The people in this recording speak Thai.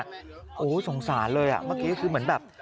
โอ้โหสงสารเลยอ่ะเมื่อกี้คือเหมือนแบบ